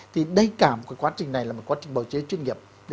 thì đầy cảm của quá trình này là một quá trình bảo chế chuyên nghiệp